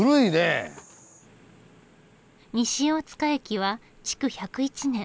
西大塚駅は築１０１年。